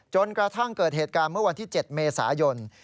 จนกระทั่งเกิดเหตุการณ์เมื่อวันที่๗เมษายน